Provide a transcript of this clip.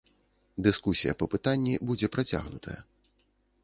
Дыскусія па пытанні будзе працягнутая.